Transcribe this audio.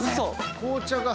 紅茶が。